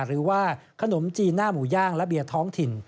หรือว่าขนมจีนหน้าหมูย่างและเบียร์ท้องถิ่น